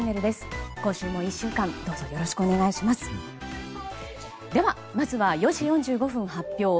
では、まずは４時４５分発表。